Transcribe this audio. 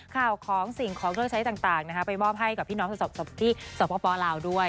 ข่าวของสิ่งของเครื่องใช้ต่างไปมอบให้กับพี่น้องที่สปลาวด้วย